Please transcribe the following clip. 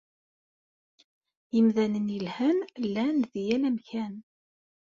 Imdanen yelhan llan di yal amkan.